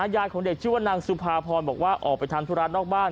ยายของเด็กชื่อว่านางสุภาพรบอกว่าออกไปทำธุระนอกบ้าน